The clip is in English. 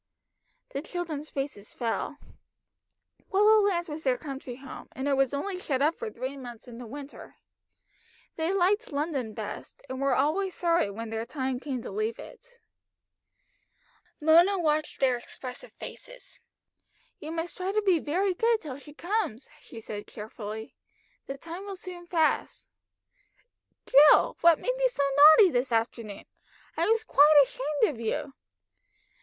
The children's faces fell. Willowlands was their country home, and it was only shut up for three months in the winter. They liked London best, and were always sorry when their time came to leave it. Mona watched their expressive faces. "You must try to be very good till she comes," she said cheerfully. "The time will soon pass. Jill, what made you so naughty this afternoon? I was quite ashamed of you."